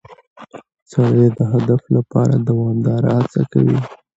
سړی د هدف لپاره دوامداره هڅه کوي